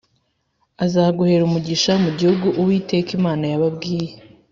azaguhera umugisha mu gihugu Uwiteka Imana yababwiye